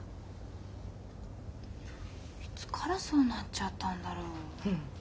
いつからそうなっちゃったんだろう。